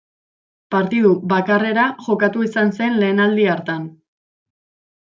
Partidu bakarrera jokatu izan zen lehen aldi hartan.